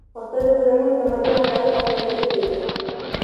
پښتو ژبه زموږ د تمدن او تاریخ استازولي کوي.